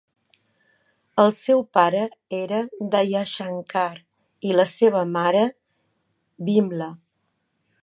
El seu pare era Dayashankar i la seva mare, Vimla.